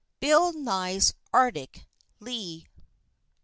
BILL NYE'S ARCTIC LE.